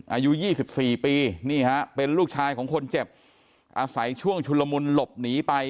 อายุ๒๔ปีนี่ฮะเป็นลูกชายของคนเจ็บอาศัยช่วงชุลมุนหลบหนีไป